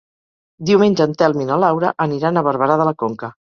Diumenge en Telm i na Laura aniran a Barberà de la Conca.